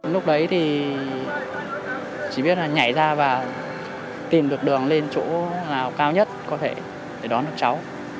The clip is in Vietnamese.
lúc đấy thì chỉ biết là nhảy ra và tìm được đường lên chỗ nào cao nhất có thể để đón được cháu